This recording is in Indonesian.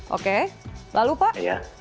oke lalu pak